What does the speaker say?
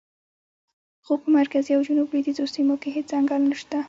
خو په مرکزي او جنوب لویدیځو سیمو کې هېڅ ځنګل نشته.